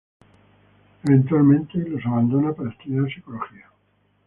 Eventualmente los abandona para estudiar Psicología.